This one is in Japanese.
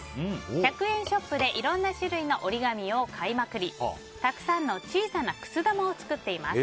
１００円ショップでいろんな種類の折り紙を買いまくりたくさんの小さなくす玉を作っています。